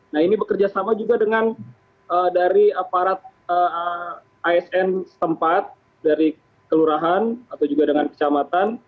nah ini bekerja sama juga dengan dari aparat asn setempat dari kelurahan atau juga dengan kecamatan